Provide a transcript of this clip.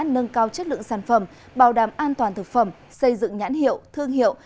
nâng cao chất lượng sản phẩm bảo đảm an toàn thực phẩm xây dựng nhãn hiệu thương hiệu